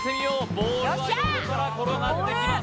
ボールは横から転がってきます